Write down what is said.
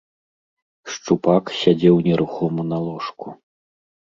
Шчупак сядзеў нерухома на ложку.